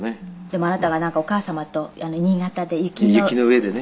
でもあなたがなんかお母様と新潟で。